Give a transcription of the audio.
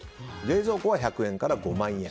冷蔵庫は１００円から５万円。